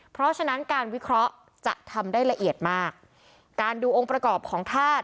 เพราะฉะนั้นการวิเคราะห์จะทำได้ละเอียดมากการดูองค์ประกอบของธาตุ